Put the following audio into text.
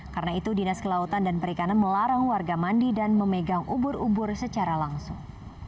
karena itu dinas kelautan dan perikanan melarang warga mandi dan memegang ubur ubur secara langsung